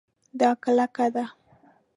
دا کلکه ده